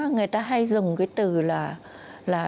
người ta hay dùng cái từ là